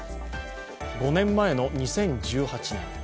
５年前の２０１８年。